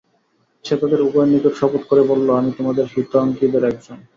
সে তাদের উভয়ের নিকট শপথ করে বলল, আমি তোমাদের হিতাকাক্ষীদের একজন।